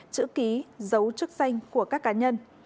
chữ ký dấu chức danh của các cá nhân